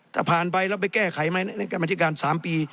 ถ้าผ่านไปแล้วไปแก้ไขไหมนั่นก็แม้ที่การ๓ปี